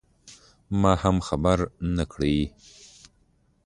ما هم خبر نه کړ.